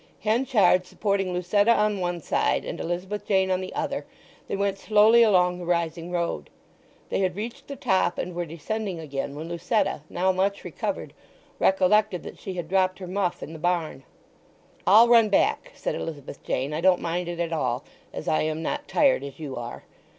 Henchard supporting Lucetta on one side, and Elizabeth Jane on the other, they went slowly along the rising road. They had reached the top and were descending again when Lucetta, now much recovered, recollected that she had dropped her muff in the barn. "I'll run back," said Elizabeth Jane. "I don't mind it at all, as I am not tired as you are."